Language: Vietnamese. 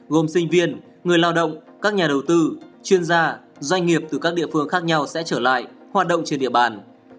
gồm sinh viên người lao động các nhà đầu tư chuyên gia doanh nghiệp từ các địa phương khác nhau sẽ trở lại hoạt động trên địa bàn